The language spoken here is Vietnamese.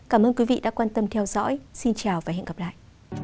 cảm ơn quý vị đã quan tâm theo dõi xin chào và hẹn gặp lại